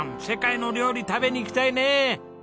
世界の料理食べに行きたいね。